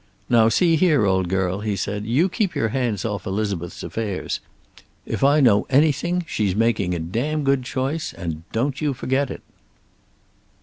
"Now see here, old girl," he said, "you keep your hands off Elizabeth's affairs. If I know anything she's making a damn good choice, and don't you forget it."